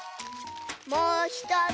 もうひとつ。